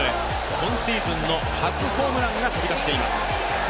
今シーズンの初ホームランが飛び出しています。